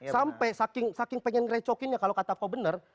sampai saking pengen ngerecokinnya kalau kata ko bener